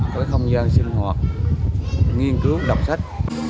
có không gian sinh hoạt nghiên cứu đọc sách